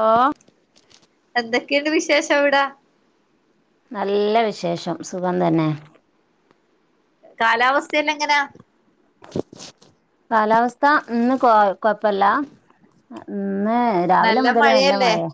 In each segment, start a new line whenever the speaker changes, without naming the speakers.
ഓഹ്
എന്തൊക്കെണ്ട് വിശേഷംഅവിടാ
നല്ലവിശേഷം സുഖംതെന്നെ.
കാലാവസ്ഥയെല്ലാം എങ്ങനാ?
കാലാവസ്ഥ ഇന്ന് കൊ കൊഴപ്പല്ല ഇന്നേ രാവിലെ മുതല് നല്ല മഴയാ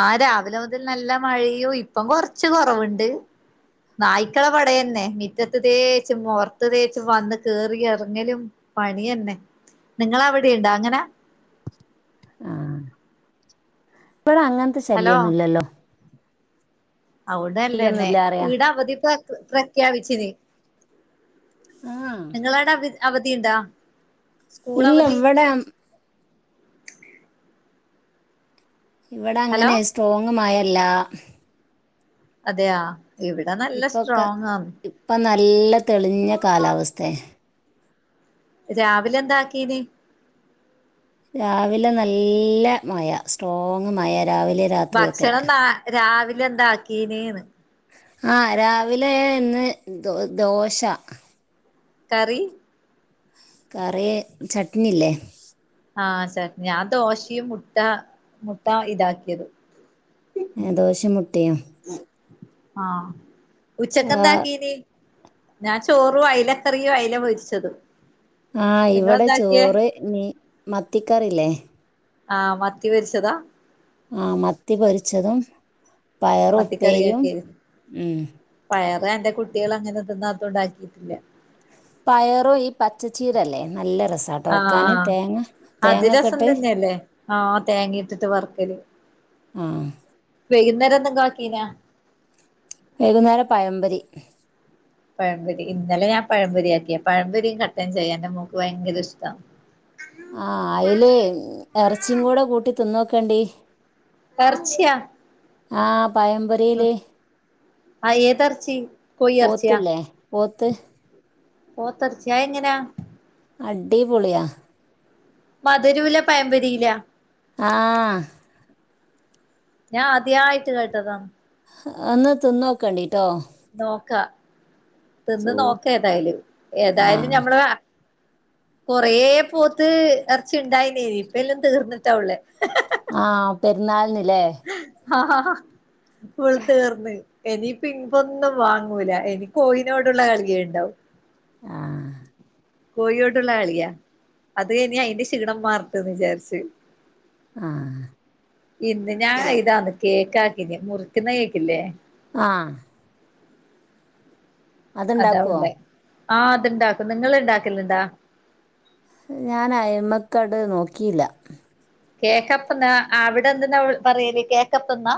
ആ രാവിലെമുതൽ നല്ലമഴയോ ഇപ്പം കൊറച്ച് കൊറവൊണ്ട്. നായ്ക്കളെ പടയന്നെ മിറ്റത്ത് തേച്ചും പൊർത്ത് തേച്ചും വന്ന് കേറിയെറങ്ങലും. പണിയെന്നെ നിങ്ങളവിടെയുണ്ടാ അങ്ങനെ.
ആഹ് ഇപ്പടെ അങ്ങൻത്തെ ശല്യം
ഹലോ
ഒന്നുമല്ലല്ലോ.
അവിടല്ലേനെ
ശല്യൊന്നുല്ല അറിയാ
ഈട അവധി പ്ര പ്രഖ്യാപിച്ചിന്
ആഹ്
നിങ്ങളവടെ അവ അവധിണ്ടാ.
ഇല്ല ഇവിടേം ഇവിടെ
ഹലോ
അങ്ങനെ സ്ട്രോങ്ങുമഴയല്ലാ.
അതെയാ ഇവി
ഇപ്പൊക്ക ഇപ്പൊ നല്ല തെളിഞ്ഞ കാലാവസ്തേ
രാവിലെ എന്താക്കീന്
രാവിലെ നല്ല മഴ സ്ട്രോങ്ങുമഴ രാവിലെ രാത്രിയൊക്കെ
ഭക്ഷണം നാ രാവിലെ എന്താക്കീനേന്ന്.
ആ രാവിലെ ഇന്ന് ദോ ദോശ.
കറി.
കറി ചട്നിയില്ലേ.
ആ ശഫ് ഞാ ദോശയും മുട്ട മുട്ട ഇതാക്കിയത്.
ആ ദോശേം മുട്ടേം
ആ
ആ
ഉച്ചക്കെന്താക്കീന്. ഞാൻ ചോറും അയലക്കറിയും അയലപൊരിച്ചതും.
ആ ഇവിടെ ചോറ് നി മത്തിക്കറില്ലേ.
ആ മത്തി പോരിച്ചതാ.
ആ മത്തിപൊരിച്ചതും പയറ് ഉപ്പേരിയും
മത്തിക്കറിയാക്കിയത്
ഉം.
പയറ് എന്റെ കുട്ടികള് അങ്ങനെ തിന്നാതോണ്ടാക്കിയിട്ടില്ല.
പയറും ഈ പച്ചച്ചീരയല്ലേ നല്ല
ആഹ്
രസാട്ടോവെക്കാന്
ആഹ്
തേങ്ങ തേങ്ങക്കെ ഇട്ട്.
ആ തേങ്ങയിട്ടിട്ട് വർക്കല്.
ആ
വൈകുന്നേരന്തെങ്കും ആക്കീനാ.
വൈകുന്നേരം പയമ്പരീ.
പഴംമ്പൊരി ഇന്നലെ ഞാൻ പഴംമ്പൊരിയാക്കിയേ പയംമ്പൊരിം കട്ടൻ ചായേം എന്റെ മോക്ക് ഭയങ്കരിഷ്ട്ടാ.
ആ അയിലെ ഇറച്ചിയും കൂടെകൂട്ടി തിന്നോക്കണ്ടി.
എർച്ച്യാ
ആഹ പയപോരി
ആ ഏത ഇറച്ചി കോയി ഇറച്ചിയാ.
പോത്തില്ലേ പോത്ത്
പോത്തെർച്ചിയാ അയെങ്ങനെയാ
അടിപൊളിയാ
മധുരോല്ല പയമ്പൊരിയില്ല.
ആ
ഞാൻ അദ്യായിട്ട് കേട്ടതാ
അന് തിന്നോക്കണ്ടിട്ടോ.
നോക്കാ
സൂ
തിന്നുനോക്കാ ഏതായാലും ഏതായാലും
ആഹ്
ഞമ്മള് കൊറെ പോത്ത് എറച്ചി ഉണ്ടായിന്നേനി ഇപ്പ എല്ലാം തീർന്നിട്ടായൊള്ളേ.
ആ പെരുന്നാളിനില്ലേ.
ഫുൾ തീർന്. എനി പിൻപൊന്നും വാങ്ങൂല എനി കോഴിനോടുള്ള കളിയേണ്ടാവും
ആ
കോഴിയൊടുള്ള അളിയാ അതുകഴിഞ്ഞ് അയിന്റെ ഷീണം മാറട്ടേന്ന് വിചാരിച്ചു
ആ.
ഞാ ഇതാന്ന് കേക്കആക്കിന്ന് മുറിക്ക്ന്ന കേക്കില്ലേ
ആഹ അതുണ്ടാക്കുവോ
അതാവുള്ളേ. ആഹ് അത്ണ്ടാക്കും നിങ്ങള് ഇണ്ടാക്കല്ണ്ടാ
ഞാൻ എമ്മക്കാട് നോക്കിയില്ല
കേക്കപ്പന്ന അവിടെ എന്ന്നാ പറയല് കേക്കപ്പന്നാ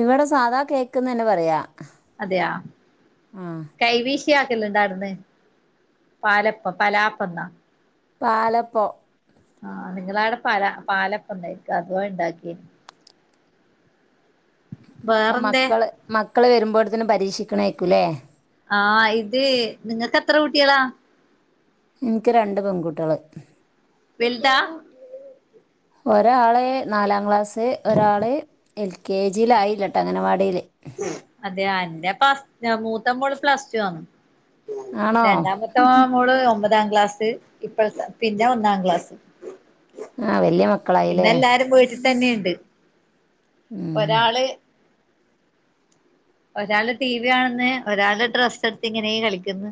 ഇവിടെ സാധാകേക്ക്ന്നന്നേ പറയാ
അതെ അ
ആ
കൈവീശിയ ആക്കല്ലണ്ടാടുന്ന് പാലപ്പം പലാപ്പ ന്നാ
പാലപ്പോ
ആഹ നിങ്ങവിടെ പല പാലൊക്ക ഉണ്ടായിക്കെ അതുവെ ഉണ്ടാക്കിനു [inaudible]
ഇപ്പ
വേറെന്തേ
മക്കള് മക്കള് വരുമ്പോഴത്തനും പരീക്ഷിക്കണക്കൂല്ലേ
ആഹ ഇത് നിങ്ങക്ക് എത്ര കുട്ടി കളാ
ഇനിക്ക് രണ്ട് പെൺകുട്ടെള്
വൽതാ
ഒരാള് നാലാം ക്ലാസ് ഒരാള് എൽ. കെ. ജിയിലായില്ലട്ടോ അങ്ങനവാടിയില്
അതെ എന്റെ പസ് മൂത്തമോള് പ്ലസ്റ്റു ആ
ആണോ
രണ്ടാമത്തെ ഓ മോള് ഒമ്പതാം ക്ലാസ് ഇപ്പളത്തെ പിന്നെ ഒന്നാം ക്ലാസ്
ആഹ് വല്യ മക്ക
ഇന്നെല്ലാരും വിട്ടിത്തന്നെണ്ട്‌
ഉം
ഒരാള് ഒരാള് ടി. വി കാണെന്ന് ഒരാള് ഡ്രസ്സ് എട്ത്ത് ഇങ്ങനെ കളിക്ക്ന്ന്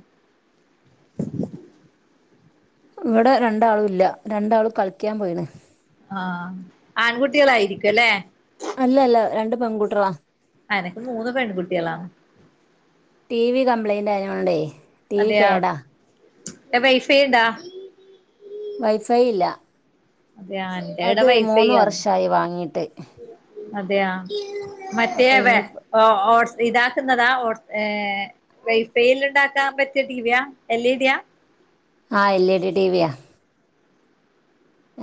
ഇവിടെ രണ്ടാളും ഇല്ല രണ്ടാളും കളിക്കാൻ പോയിണ്
ആഹ ആൺകുട്ടികളായിരിക്കുംല്ലേ
അല്ലെല്ല രണ്ട് പെൻകുട്റളാ
അനക്ക് മൂന്ന് പെൺകുട്ടികളാ
ടി വി കംപ്ലയിൻറ് ആയോണ്ടേ
അതെയാ ടെ വൈഫൈ ഇണ്ടാ
വൈ. ഫൈ ഇല്ല
അതെന്റെടെ
അത് മൂന്ന്
പൈസയ്യാന്ന്
വർഷായി വാങ്ങീട്ട്
അതെ അ
അപ്പൊ
മറ്റേവെ
ഇനി
ഓ ഓഓഡ്സ്ഇതാക്കുന്നതാ ഓ ഏ വൈഫൈൽ ഉണ്ടാക്കാൻ പറ്റിയ ടിവിയ എൽ ഇഡിയ
ആഹ എൽ ഇ ഡി ടിവിയാ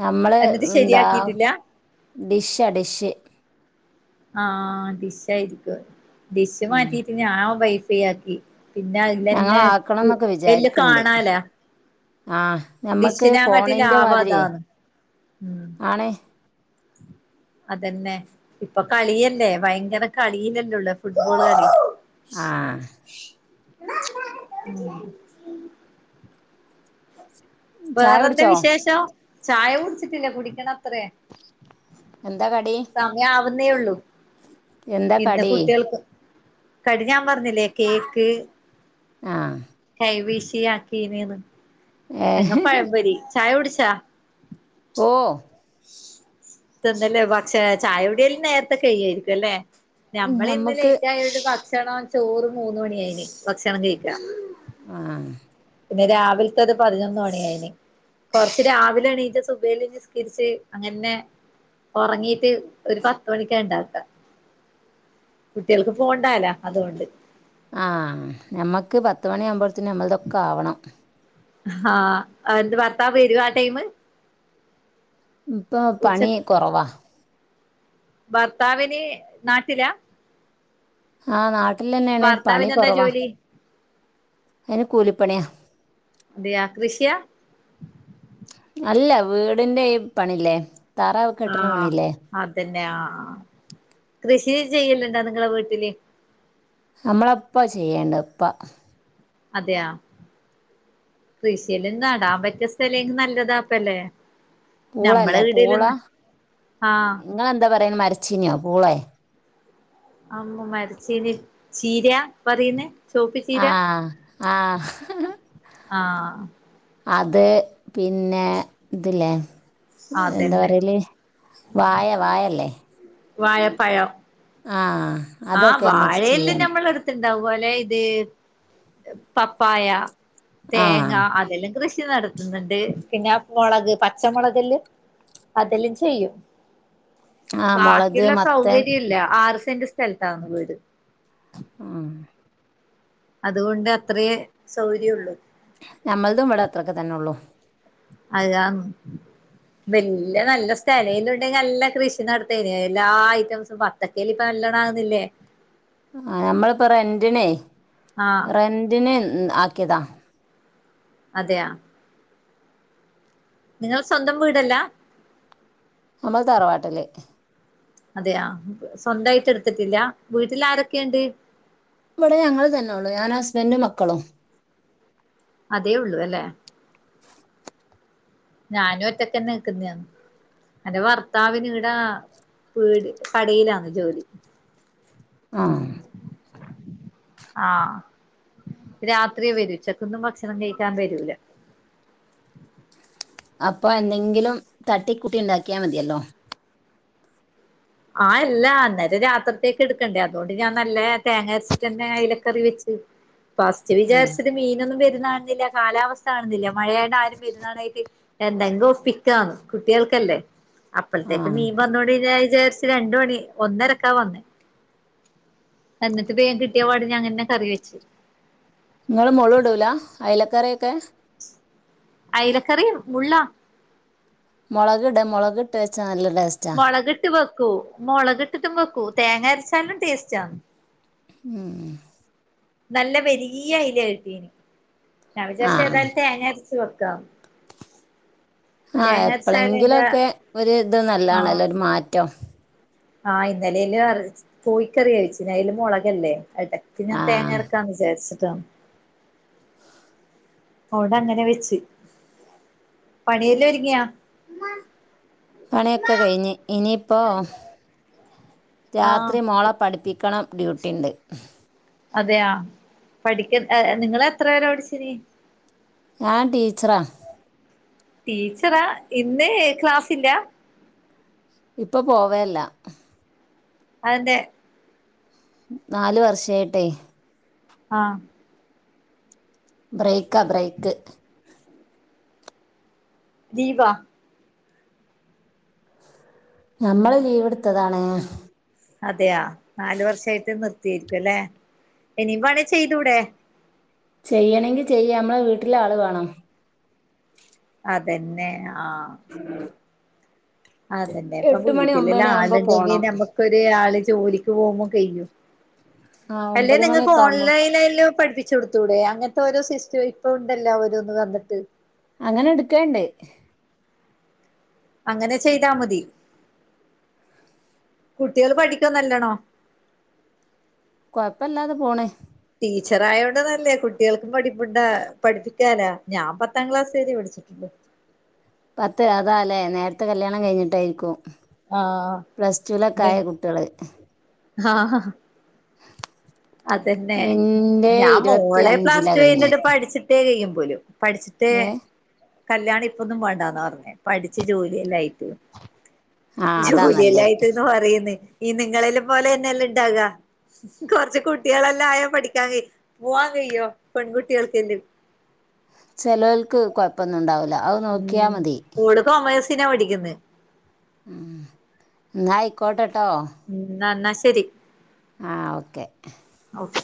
നമ്മള്
എന്നിട്ട്
എന്താ
ശരിയാക്കിട്ടില്ല
ഡിഷാ ഡിഷ്
ആഹ ഡിഷ ആയിരിക്കും ഡിഷ്
ഉം
മാറ്റിട്ട് ഞാൻ വൈഫൈ ആക്കി പിന്നെ
ഞങ്ങള്
അതിലെന്നെ
ആക്കണം എന്നൊക്കെ
എല് കാണാലേ
ആഹ്
ഡിഷിനെകാട്ടി ലാഭം അതാണ് ഉ
ആണ്
അതെന്നെ ഇപ്പൊ കളിയല്ലേ! ഭയങ്കര കളിയിലല്ലോള്ളേ ഫുട്ബോൾ കളി
ആഹ
ഉ
ചായ
വേറെന്താ
കുടിച്ചോ
വിശേഷം ചായ കുടിച്ചിട്ടില്ല കുടിക്കണ അത്രേ
എന്താ കടീ
സമയാവുന്നേ ഉള്ളൂ
എന്താ
ഇന്ന്
കടി
കുട്ട്യേൾക്ക് കടി ഞ്ഞാൻ പറഞ്ഞില്ലേ കേക്ക്
ആ
കെവിശിയ് ആക്കീനിന്ന്,
ഏ
ഇല്ലങ്ങ പഴമ്പൊരി. ചായ കുടിച്ചാ
ഓ
[unintelligible] പക്ഷെ ചായ കുടിയല്ലോ നേരത്തെ കൈയ്യായിരിക്കും അല്ലേ നമ്മള് ഇന്ന്
ഞമ്മക്ക്
ലേറ്റ് ആയോണ്ട് ഭക്ഷണം ചോറ് മൂന്ന് മണി ആയിന് ഭക്ഷണം കഴിക്കാൻ
ആഹ്
പിന്നെ രാവിലത്തത് പതിനൊന്ന് മണിയായിന് കൊറച്ച് രാവിലെ എണീച്ച് സുബ്ഹ് എല്ലാം നിസ്കരിച്ച് അങ്ങനെ ഉറങ്ങീട്ട് ഒരു പത്ത് മണിക്കാ ഇണ്ടാക്ക കുട്ടികൾക്ക് പോണ്ടാല അതുകൊണ്ട്
ആഹ് നമക്ക് പത്ത് മണി ആകുമ്പോഴത്തേനും നമ്മൾതൊക്കെ ആവണം
ആഹ് എന്ത് ഭർത്താവ് വരുവാ ആ ടൈം
ഇപ്പോ പണി
ഉച്ചക്ക്
കുറവാ
ഭർത്താവിന് നാട്ടിലാ
ആഹ് നാട്ടിൽ തന്നെയാണ് പണി
ഭർത്താവിന് എന്താ
കുറവാ
ജോലി
അയിന് കൂലിപ്പണിയാ
അതെയാ കൃഷിയാ
അല്ല വീടിന്റെ ഈ പണില്ലേ തറ കെട്ടണ പണിയില്ലേ
അതന്നെയാ ആഹ് കൃഷി ചെയ്യലുണ്ട നിങ്ങളെ വീട്ടില്
നമ്മളപ്പാ ചെയ്യേണ്ട ഉപ്പാ
അതെയാ കൃഷിയെല്ലാം നടാൻ പറ്റിയ സ്ഥലേങ്കിൽ നല്ലതാപ്പ അല്ലേ നമ്മള്
പൂളല്ലേ പൂള
ഈടേല്ന്ന് ആഹ്
നിങ്ങളെന്താ പറയുന്നേ മരച്ചീനോ പൂളേ
അമ്മോ മരച്ചീന് ചീരയാ പറയുന്ന് ചോപ്പി
ആ
ച്ചീരാ
ആ
ആഹ്
അത് പിന്നെ ഇതില്ലേ എന്താ
അതന്നെ
പറയല് വാഴ വാഴല്ലേ
വാഴപ്പഴം
ആഹ്
ആഹ് വാഴയെല്ലാം നമ്മളെടു ഉള്ള പോലെ ഇത് പപ്പായ,
ആ
തേങ്ങ അതെല്ലാം കൃഷി നടത്തുന്നുണ്ട് പിന്നെ മുളക് പച്ചമുളകല് അതെല്ലും ചെയ്യും
ആ മുളക്
ബാക്കിയുള്ള
മത്തൻ
സൗകര്യം ഇല്ല ആറ് സെന്റ് സ്ഥലത്താന്ന് വീട്
ആഹ്
അതുകൊണ്ട് അത്രേ സൗര്യള്ളൂ
നമ്മൾതും ഇവിടെ അത്രൊക്കെ തന്നെ ഉള്ളൂ
അതാഅ വല്ല്യ നല്ല സ്ഥലയെല്ലാം ഉണ്ടെങ്കിൽ നല്ല കൃഷി നടത്ത എല്ലാ ഐറ്റംസും ബത്തക്കയെല്ലാം ഇപ്പ നല്ലണം ആകുന്നില്ലേ
ആഹ് നമ്മളിപ്പോ റെന്റിനെ
ആഹ്
റെന്റിന് ആക്കിയതാ
അതെയാ നിങ്ങളെ സ്വന്തം വീടല്ല
നമ്മൾ തറവാട്ടില്
അതെ ആഹ് സ്വന്തായിട്ട് എടുത്തിട്ടില്ല വീട്ടിൽ ആരൊക്കെയുണ്ട്
ഇവിടെ ഞങ്ങൾ തന്നെ ഉള്ളൂ ഞാനും ഹസ്ബന്റും മക്കളും
അതേ ഉള്ളൂ അല്ലേ ഞാനും ഒറ്റക്കെന്നെ നിൽക്കുന്നയാന്ന് എന്റെ ഭർത്താവിനീടാ പീട് കടയിലാന്ന് ജോലി
ആഹ്
ആഹ് രാത്രിയെ വരൂ ഉച്ചക്കൊന്നും ഭക്ഷണം കഴിക്കാൻ വരൂല
അപ്പൊ എന്തെങ്കിലും തട്ടികൂട്ടി ഉണ്ടാക്കിയാ മതിയല്ലോ
ആ അതല്ലാ ഇന്നാലും രാത്രിത്തേക്ക് എടുക്കണ്ടേ അതുകൊണ്ട് ഞാൻ നല്ല തേങ്ങ അരച്ചിട്ടന്നെ അയിലക്കറി വെച്ചു [unintelligible] ഫസ്റ്റ്
ആഹ്
വിചാരിച്ചിത് മീനൊന്നും വരുന്നാകാണുന്നില്ല കാലാവസ്ഥ കാണുന്നില്ലെ മഴയടെ ആരും വെരുന്നതാണായിട്ട് എന്തെങ്കിലും ഒപ്പിക്കാന്ന് കുട്ടികൾക്കല്ലേ അപ്പഴത്തേക്ക്
ആഹ്
മീൻ വന്നൊണ്ട് ഞാൻ വിചാരി രണ്ട് മണി ഒന്നരക്കാ വന്നേ എന്നിട്ട് വേഗം കിട്ടിയ പാട് ഞാനന്നെ കറി വെച്ച്
നിങ്ങള് മോള് ഇടൂല അയില കറിയൊക്കെ
അയിലക്കറി മുള്ളോ
മുളകിട മുളകിട്ട് വെച്ചാ നല്ല ടേസ്റ്റ്
മുളകിട്ട് വെക്കൂ മുളകിട്ടിട്ടും വെക്കും തേങ്ങ അരച്ചാലും ടേസ്റ്റ് ആണ്
ഉം ഉം
നല്ല വലീയ അയില കിട്ടീന് ഞാൻ വിചാരിച്ചു
ആഹ്
ഏതായാലും തേങ്ങ അരച്ച് വെക്കാം
ആഹ്
തേങ്ങ അരച്ചാല്
എപ്പോഴെങ്കിലും
അതിന്റെ
ഒക്കെ ഒരു ഇത്
ആഹ്
നല്ലതാണല്ലോ ഒരു മാറ്റം
ആഹ് ഇന്നലെ അയില് കോഴിക്കറിയാ വെച്ചിന് അയില് മൊളകല്ലേ? പിന്നെ ഞാൻ തേങ്ങ
ആഹ്
അരക്കാന്ന് വിചാരിച്ചിട്ടാന്ന്. അവിടെ അങ്ങനെ വെച്ച്. പണിയെല്ല ഒരുങ്ങിയാ?
പണിയൊക്കെ കഴിഞ്ഞ് ഇനിയിപ്പോ
ആഹ്
രാത്രി മോള പഠിപ്പിക്കണം ഡ്യൂട്ടി ഉണ്ട്
അതെയോ പഠിക്ക ഹ് നിങ്ങള് എത്ര വെരയാ പഠിച്ചിന്
ഞാൻ ടീച്ചറാ.
ടീച്ചറാ? ഇന്ന് ക്ലാസ്സില്ല?
ഇപ്പൊ പോവേല്ലാ.
അതെന്തേ
നാല് വർഷായ്ട്ടെ
ആഹ്
ബ്രെയ്ക്കാ ബ്രെയ്ക്ക്
ലീവാ
ഞമ്മള് ലീവ് ഇട്ത്തതാണ്
അതെയാ? നാല് വർഷായിട്ട് നിർത്തിയേരിക്കു അല്ലെ? ഇനിയും വേണെ ചെയ്തൂടെ?
ചെയ്യെണെങ്കി ചെയ്യാ അമ്മളെ വീട്ട്ല് ആള് വേണം
അതെന്നെ ആഹ് അതന്നെ
എട്ട് മണി ഒമ്പമണി ആവ്മ്പെ പോണം.
ഒര് ആള് ജോലിക്ക് പോവുമ്പം കെയ്യും
ആ
അല്ലെ
ഒമ്പത്
നിങ്ങക്ക്
മണിയൊക്കെ ആവുമ്പോ
ഓൺലൈൻലൈലും പഠിപ്പി ചുടുത്തൂടെ അങ്ങതോരോ സിസ്റ്റം ഇപ്പ ഉണ്ടല്ലോ ഓരോന്ന് വന്നിട്ട്
അങ്ങനെ ഇട്ക്കാണ്ട്
അങ്ങനെ ചെയ്താ മതി കുട്ടികൾ പഠിക്കോന്നല്ലണം
കൊഴപ്പല്ലാതെ പോണെ
ടീച്ചറായോണ്ട് നല്ലേ കുട്ടികൾക്ക് പഠിപ്പുണ്ട പഠപ്പികാല ഞാൻ പത്താം ക്ലാസ് വരെ പഠിച്ച് [unintelligible]
പത്ത് അതാലെ നേരത്തെ കല്ല്യാണം കഴിഞ്ഞിട്ടെർക്കും പ്ലസ്ടൂൽ ഒക്കെ ആയെ
ആഹ്
കുട്ടികൾ
ആഹ് ഹാ ഹ അതന്നെ
എന്റെ
ഞാൻ
ഇരുപത്തി
മോളെ
അഞ്ചിലാ
പ്ലാസ്റ്റ്
കഴിഞ്ഞേ
കഴഞ്ഞിട്ട് പഠിച്ചിട്ട് പെയ്യും പോലും പഠിച്ചിട്ട്
ഏ
കല്യാണം ഇപ്പൊന്നും വേണ്ടാന്നാ പറഞ്ഞേ പഠിച്ച് ജോലി എല്ലാം ആയിട്ട്
ആ അതാ
ജോലിയെല്ലാ
നല്ലേ
ആയിട്ട്ന്ന് പറയുന്ന് ഈ നിങ്ങളെ എല്ലാം പോലെന്നെല്ലെ ഇണ്ടാകാ കൊറ്ച്ച് കുട്ട്യേളെല്ലായാ പഠിക്കാൻ കയ് പൂവ്വാൻ കെയ്യോ പെൺകുട്ടികൾക്കെല്ലും
ചേലോൽക്ക് കുഴപ്പമൊന്നും ഉണ്ടാവില്ല. അവ
ഉം ഓള് കൊമേഴ്സിനാ പഠിക്ക്ണ്
ഉം എന്നാ അയിക്കോട്ടെട്ടോ
ഉം ന്നാ എന്നാ ശരി
ആ ഓക്കെ.
ഓക്കെ